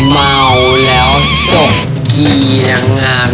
เมาท์แล้วจบกรีย์นางงาม